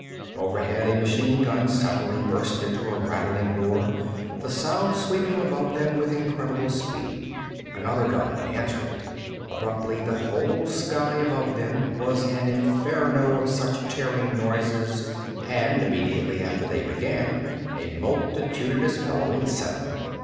Overhead, a machine gun suddenly burst into a rattling roar, the sound sweeping above them with incredible speed. Another gun answered it. Abruptly, the whole sky above them was an inferno of such tearing noises and immediately after they began a multitudinous bellowing set up.